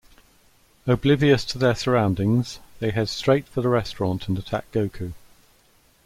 Oblivious to their surroundings, they head straight for the restaurant and attack Goku.